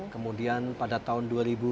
kemudian pada tahun